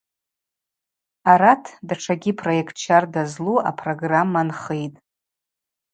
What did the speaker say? Арат, датшагьи проект щарда злу апрограмма нхитӏ.